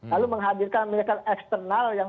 lalu menghadirkan militer eksternal yang